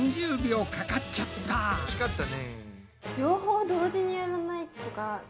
惜しかったね。